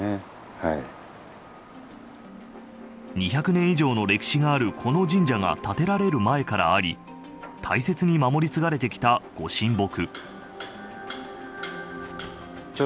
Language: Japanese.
２００年以上の歴史があるこの神社が建てられる前からあり大切に守りつがれてきたご神木。